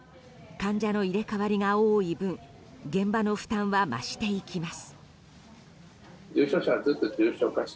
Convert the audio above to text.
患者の入れ替わりが多い分現場の負担は増していきます。